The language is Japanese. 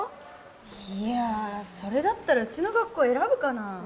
いやそれだったらうちの学校選ぶかな？